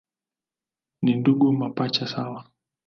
Ni ndugu mapacha sawa.